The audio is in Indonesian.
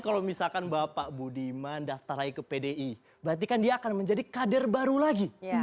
kalau misalkan bapak budiman daftar lagi ke pdi berarti kan dia akan menjadi kader baru lagi